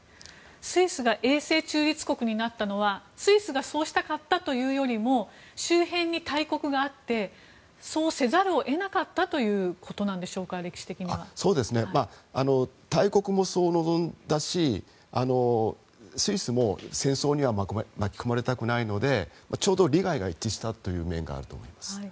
スイスが永世中立国になったのはスイスがそうしたかったというよりも周辺に大国があってそうせざるを得なかったということなんでしょうか大国もそうだしスイスも戦争には巻き込まれたくないのでちょうど利害が一致したという面があると思います。